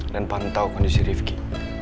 dan pantau kondisi rifqi